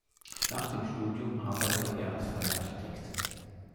Nach dem Studium arbeitete er als freier Architekt.